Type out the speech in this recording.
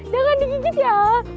jangan digigit ya